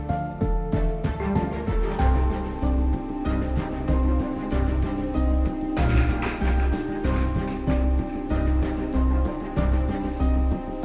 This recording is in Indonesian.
agaknya kel particulars